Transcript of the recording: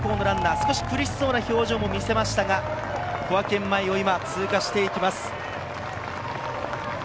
少し苦しそうな表情も見せましたが、小涌園前を今、通過して行きます。